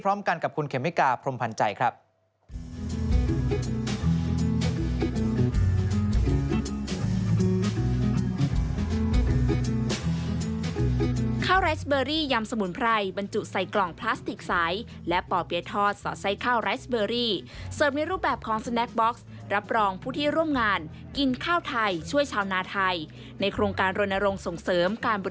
พร้อมกันกับคุณเขมิกาพรมพันธ์ใจครับ